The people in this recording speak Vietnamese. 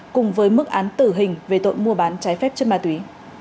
cùng với mức án tử hình về tội mua bán trái phép chất ma túy